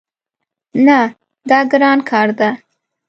نه، دا ګران کار ده